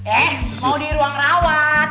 eh mau di ruang rawat